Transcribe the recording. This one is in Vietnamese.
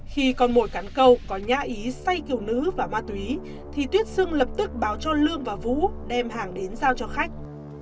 khi con mồi cắn câu có nhã ý say kiều nữ và ma túy thì tuyết xưng lập tức báo cho lương và vũ đem hàng đến giao cho khách